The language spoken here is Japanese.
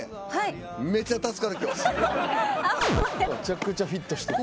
めちゃくちゃフィットしてる。